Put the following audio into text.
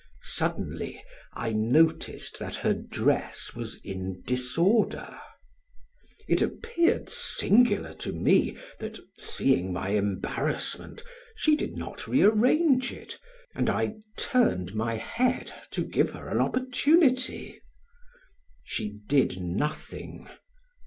Suddenly I noticed that her dress was in disorder. It appeared singular to me that, seeing my embarrassment, she did not rearrange it, and I turned my head to give her an opportunity. She did nothing.